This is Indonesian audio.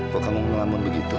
kok kamu ngelamun begitu